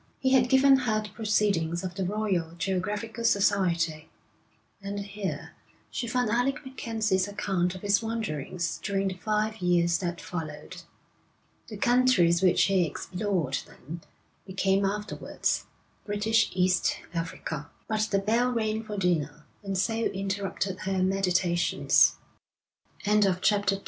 He had given her the proceedings of the Royal Geographical Society, and here she found Alec MacKenzie's account of his wanderings during the five years that followed. The countries which he explored then, became afterwards British East Africa. But the bell rang for dinner, and so interrupted her meditations. III They played b